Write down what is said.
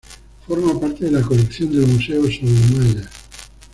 Forma parte de la colección del Museo Soumaya.